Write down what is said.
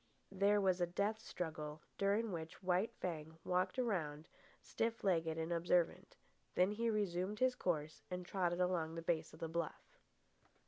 There was a death struggle, during which White Fang walked around, stiff legged and observant. Then he resumed his course and trotted on along the base of the bluff.